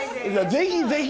ぜひぜひ！